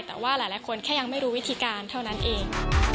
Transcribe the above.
แต่ว่าหลายคนแค่ยังไม่รู้วิธีการเท่านั้นเอง